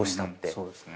そうですね。